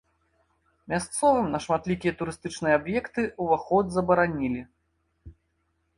Мясцовым на шматлікія турыстычныя аб'екты ўваход забаранілі.